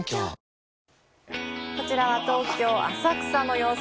こちらは東京・浅草の様子。